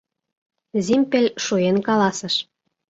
— Зимпель шуэн каласыш.